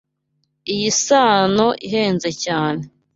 Iyi sano ihenze cyane.